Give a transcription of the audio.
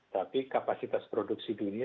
tapi kapasitas produksi dunia